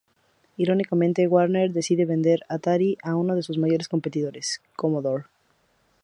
Irónicamente Warner decide vender Atari a uno de sus mayores competidores, Commodore.